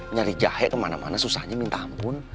nyari jahe kemana mana susahnya minta ampun